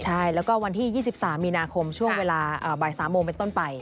ใช่แล้วก็วันที่๒๓มีนาคมช่วงเวลาบ่าย๓โมงเป็นต้นไป